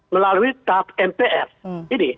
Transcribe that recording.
melalui tahap mpr ini